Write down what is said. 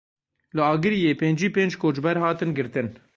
Li Agiriyê pêncî pênc koçber hatin girtin.